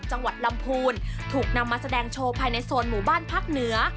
จังหวัดลำพูนถูกนำมาแสดงโชว์ภายในโซนหมู่บ้านภาคเหนือ